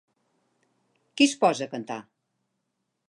Qui es posa a cantar?